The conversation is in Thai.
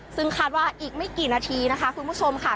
ซึ่งคาดว่าอีกไม่กี่นาทีนะคะคุณผู้ชมค่ะ